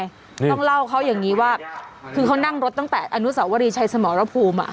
ต้องเล่าเขาอย่างนี้ว่าคือเขานั่งรถตั้งแต่อนุสาวรีชัยสมรภูมิอ่ะ